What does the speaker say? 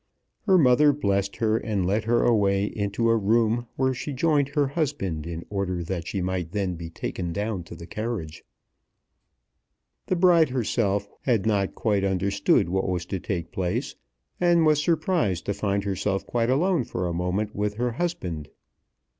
Her mother blessed her, and led her away into a room where she joined her husband in order that she might be then taken down to the carriage. The bride herself had not quite understood what was to take place, and was surprised to find herself quite alone for a moment with her husband.